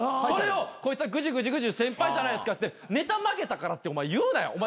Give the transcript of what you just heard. それをこいつはグチグチ先輩じゃないですかってネタ負けたからってお前言うなよ。